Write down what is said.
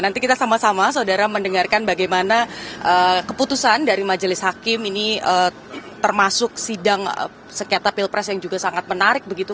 nanti kita sama sama saudara mendengarkan bagaimana keputusan dari majelis hakim ini termasuk sidang sengketa pilpres yang juga sangat menarik begitu